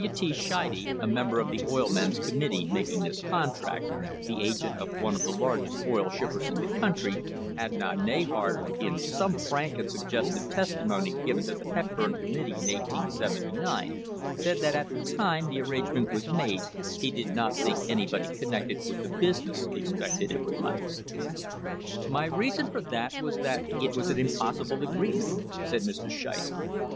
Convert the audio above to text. W. T. Scheide, a member of the oil men's committee making this contract, the agent of one of the largest oil shippers in the country, Adnah Neyhart, in some frank and suggestive testimony given to the Hepburn Committee in 1879, said that at the time the arrangement was made he did not think any body connected with the business expected it would last. "My reason for that was that it was an impossible agreement," said Mr. Scheide.